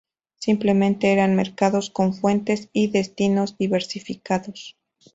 Simplemente, eran mercados con fuentes y destinos diversificados.